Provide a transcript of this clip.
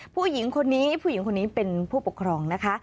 ผู้หญิงคนนี้ผู้หญิงคนนี้เป็นผู้ปกครองนะคะ